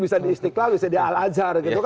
bisa di istiqlal bisa di al ajar